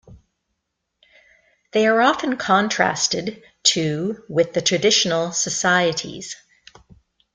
They are often contrasted to with the traditional societies.